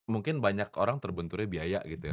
mungkin banyak orang terbenturnya biaya gitu ya